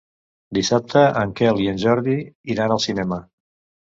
Dissabte en Quel i en Jordi iran al cinema.